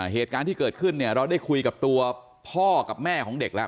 เหตุการณ์ที่เกิดขึ้นเนี่ยเราได้คุยกับตัวพ่อกับแม่ของเด็กแล้ว